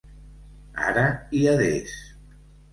Ara i adés.